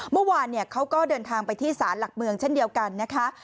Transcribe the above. เมื่อวานเขาก็เดินทางไปที่ศาลหลักเมืองเช่นเดียวกันนะคะ